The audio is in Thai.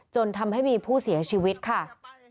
จนทำให้มีผู้เสียชีวิตค่ะ